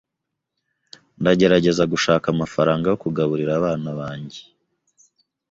Ndagerageza gushaka amafaranga yo kugaburira abana banjye.